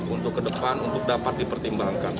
untuk ke depan untuk dapat dipertimbangkan